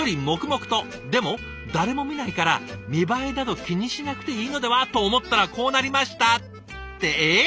でも誰も見ないから見栄えなど気にしなくていいのでは？」と思ったらこうなりましたってええ！？